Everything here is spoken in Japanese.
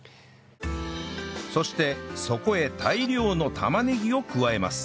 そしてそこへ大量の玉ねぎを加えます